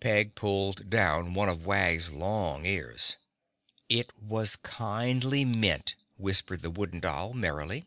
Peg pulled down one of Wag's long ears. "It was kindly meant," whispered the Wooden Doll merrily.